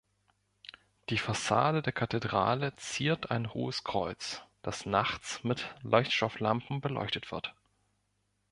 Die Fassade der Kathedrale ziert ein hohes Kreuz, das nachts mit Leuchtstofflampen beleuchtet wird.